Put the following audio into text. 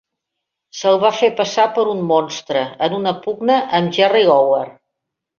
Se'l va fer passar per un "monstre" en una pugna amb Jerry Lawler.